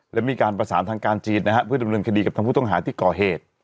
และมีการประสานทางการจีนนะฮะเพื่อดำเนินคดีกับทางผู้ต้องหาที่ก่อเหตุ